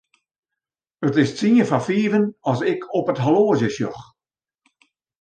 It is tsien foar fiven as ik op it horloazje sjoch.